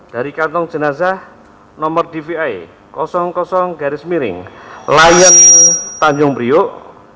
dari kantong jenazah nomor dvi lion tanjung priok dua puluh enam